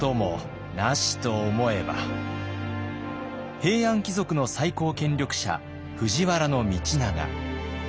平安貴族の最高権力者藤原道長。